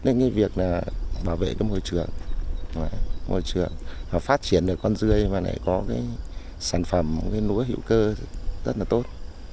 đến việc bảo vệ môi trường phát triển con rươi và có sản phẩm núa hữu cơ rất tốt